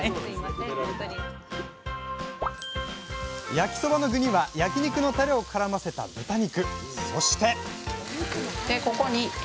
焼きそばの具には焼き肉のタレをからませた豚肉。